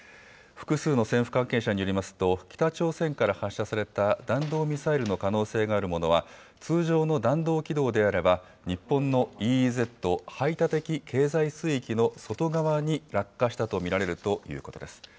複数の政府関係者によりますと、北朝鮮から発射された弾道ミサイルの可能性があるものは、通常の弾道軌道であれば、日本のＥＥＺ・排他的経済水域の外側に落下したと見られるということです。